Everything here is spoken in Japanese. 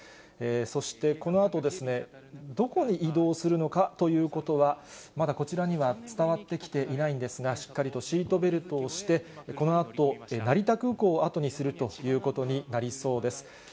そしてこのあと、どこに移動するのかということは、まだこちらには伝わってきていないんですが、しっかりとシートベルトをして、このあと、成田空港を後にするということになりそうです。